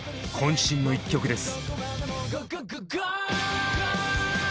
渾身の一曲です。